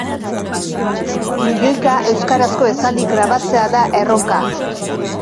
Milioika euskarazko esaldi grabatzea da erronka.